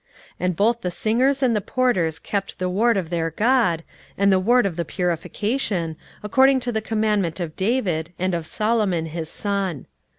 16:012:045 And both the singers and the porters kept the ward of their God, and the ward of the purification, according to the commandment of David, and of Solomon his son.